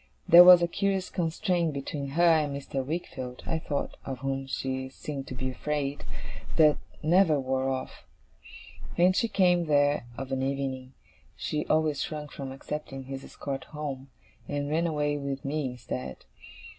There was a curious constraint between her and Mr. Wickfield, I thought (of whom she seemed to be afraid), that never wore off. When she came there of an evening, she always shrunk from accepting his escort home, and ran away with me instead.